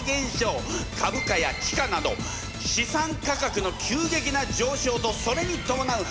株価や地価など資産価格の急激な上昇とそれにともなう